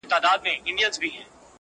د حاکم سترگي له قهره څخه سرې سوې؛